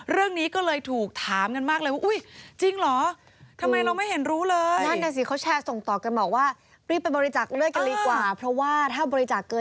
เรื่องนี้ก็เลยถูกถามกันมากเลยว่าอุ้ยจริงเหรอ